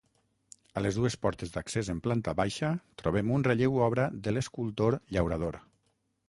A les dues portes d'accés en planta baixa trobem un relleu obra de l'escultor Llaurador.